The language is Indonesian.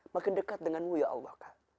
makin dekat denganmu ya allah